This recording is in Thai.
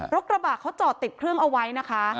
กระบะเขาจอดติดเครื่องเอาไว้นะคะ